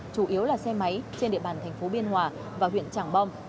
chủ yếu là xe máy trên địa bàn thành phố biên hòa và huyện trảng bom